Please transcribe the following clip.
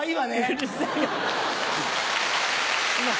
うるさいよ！